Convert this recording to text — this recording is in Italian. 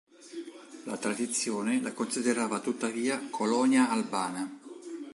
La tradizione la considerava tuttavia colonia albana.